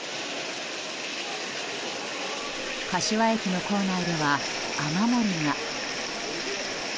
柏駅の構内では雨漏りが。